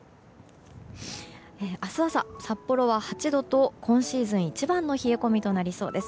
明日朝、札幌は８度と今シーズン一番の冷え込みとなりそうです。